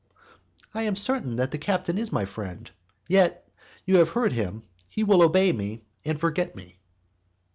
"I am certain that the captain is my friend; yet you have heard him, he will obey me, and forget me."